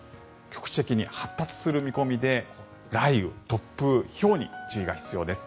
局地的に発達する見込みで雷雨、突風、ひょうに注意が必要です。